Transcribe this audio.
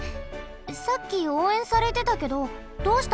さっきおうえんされてたけどどうしたの？